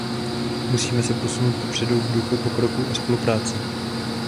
Musíme se posunout kupředu v duchu pokroku a spolupráce.